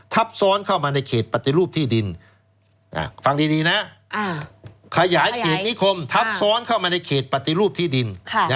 ทับซ้อนเข้ามาในเขตปฏิรูปที่ดินฟังดีนะขยายเขตนิคมทับซ้อนเข้ามาในเขตปฏิรูปที่ดิน